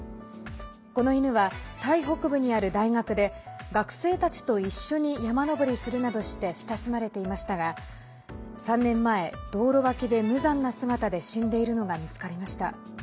この犬は、タイ北部にある大学で学生たちと一緒に山登りするなどして親しまれていましたが３年前、道路脇で無残な姿で死んでいるのが見つかりました。